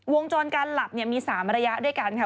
วงจรการหลับมี๓ระยะด้วยกันค่ะ